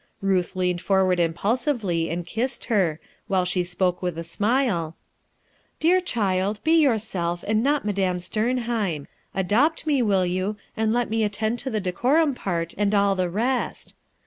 Ruth leaned forward impulsively and kissed her, while she spoke with a smile :— "Dear child, be yourself, and not Madame Sternheim. Adopt me, will you, and let me attend to the decorum part, and all the rest.